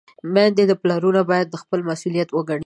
میندې، پلرونه باید دا خپل مسؤلیت وګڼي.